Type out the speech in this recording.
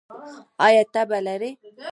ایا تبه لرئ؟